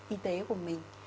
y tế của mình